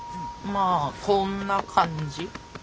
まあこんな感じ。